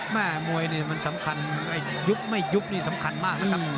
แม่มวยนี่มันสำคัญยุบไม่ยุบนี่สำคัญมากนะครับ